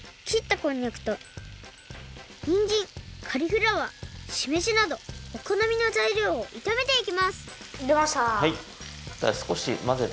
こんにゃくとニンジンカリフラワーしめじなどおこのみのざいりょうをいためていきますいれました。